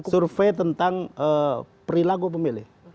survei tentang perilaku pemilih